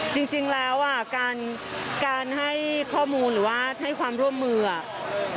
จริงแล้วอ่ะการให้ข้อมูลหรือว่าให้ความร่วมมืออ่ะ